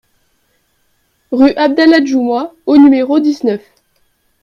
Rue Abdallah Djoumoi au numéro dix-neuf